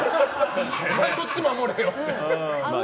お前、そっち守れよって。